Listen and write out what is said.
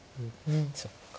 そっか。